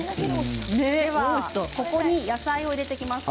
ここに野菜を入れていきます。